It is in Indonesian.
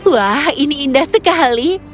wah ini indah sekali